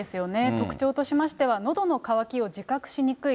特徴としましては、のどの渇きを自覚しにくい。